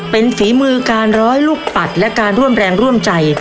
เป็นฝีมือการร้อยลูกปัดและการร่วมแรงร่วมใจ